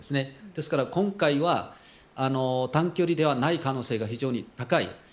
ですから今回は短距離ではない可能性が非常に高い。